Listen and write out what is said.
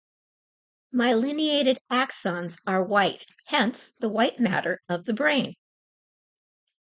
Myelinated axons are white; hence, the "white matter" of the brain.